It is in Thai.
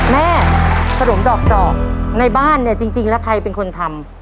แม่ขนมดอกดอกในบ้านเนี่ยจริงแล้วใครเป็นคนทำ